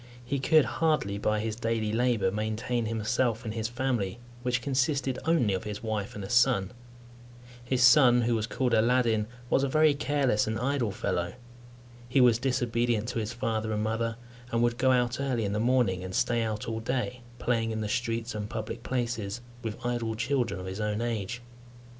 He could hardly, by his daily labour, maintain himself and his family, which consisted only of his wife and a son. His son, who was called Aladdin, was a very careless and idle fellow. He was disobedient to his father and mother, and would go out early in the morning and stay out all day, playing in the streets and public places with idle children of his own age.